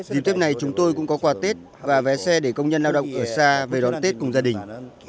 dịp tết này chúng tôi cũng có quà tết và vé xe để công nhân lao động ở xa về đón tết cùng gia đình